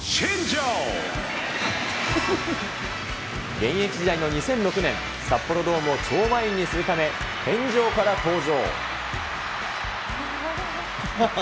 現役時代の２００６年、札幌ドームを超満員にするため、天井から登場。